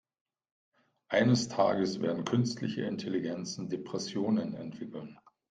Eines Tages werden künstliche Intelligenzen Depressionen entwickeln.